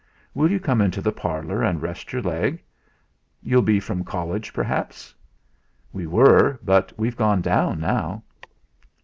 "Will you come into the parlour and rest your leg? You'll be from college, perhaps?" "We were, but we've gone down now."